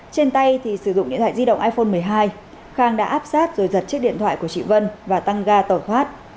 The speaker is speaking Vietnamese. trên tay thì sử dụng điện thoại di động iphone một mươi hai khang đã áp sát rồi giật chiếc điện thoại của chị vân và tăng ga tẩu thoát